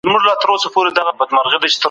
ژوند لنډ دی، خو اغېز یې اوږد وي